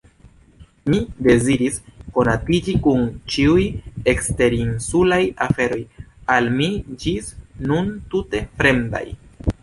Mi deziris konatiĝi kun ĉiuj eksterinsulaj aferoj, al mi ĝis nun tute fremdaj.